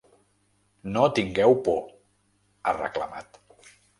No tingueu por, ha reclamat.